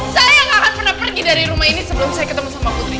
saya gak akan pernah pergi dari rumah ini sebelum saya ketemu sama putri